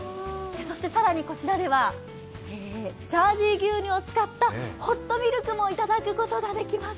そして更にこちらではジャージー牛乳を使ったホットミルクもいただくことができます。